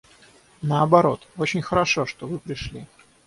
Наоборот, очень хорошо, что вы пришли.